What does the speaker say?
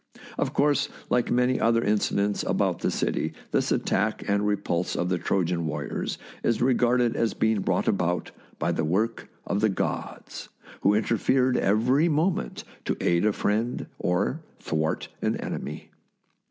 Of course, like many other incidents about the city, this attack and repulse of the Trojan warriors is regarded as being brought about by the work of the gods, who inter fered every moment to aid a friend or thwart an enemy.